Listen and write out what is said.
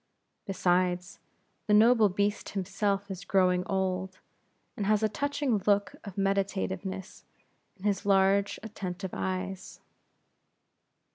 Besides, the noble beast himself is growing old, and has a touching look of meditativeness in his large, attentive eyes.